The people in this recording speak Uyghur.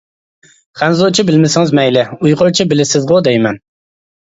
خەنزۇچە بىلمىسىڭىز مەيلى، ئۇيغۇرچە بىلىسىزغۇ دەيمەن.